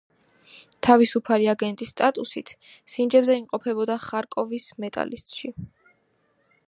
თავისუფალი აგენტის სტატუსით, სინჯებზე იმყოფებოდა ხარკოვის „მეტალისტში“.